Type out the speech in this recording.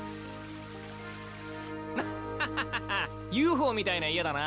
ワッハッハッハＵＦＯみたいな家だな。